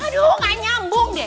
aduh gak nyambung deh